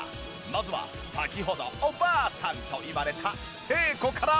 まずは先ほどおばあさんと言われた誠子から。